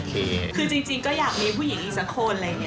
คือจริงก็อยากมีผู้หญิงอีกสักคน